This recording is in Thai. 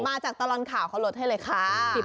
มาจากตลอดข่าวเขาลดให้เลยค่ะ